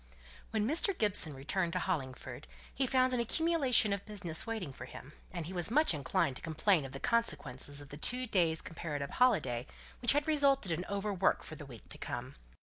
When Mr. Gibson returned to Hollingford, he found an accumulation of business waiting for him, and he was much inclined to complain of the consequences of the two days' comparative holiday, which had resulted in over work for the week to come.